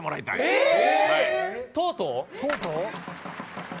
えっ？